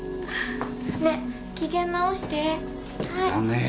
ね機嫌直してはい。